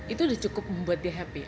itu sudah cukup membuat dia happy